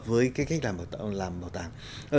với cái cách làm bảo tàng